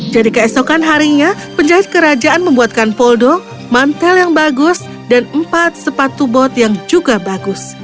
jadi keesokan harinya penjahit kerajaan membuatkan poldo mantel yang bagus dan empat sepatu bot yang juga bagus